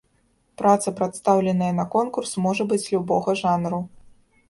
Праца, прадстаўленая на конкурс, можа быць любога жанру.